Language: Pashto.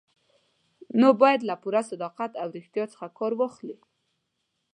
نو باید له پوره صداقت او ریښتیا څخه کار واخلئ.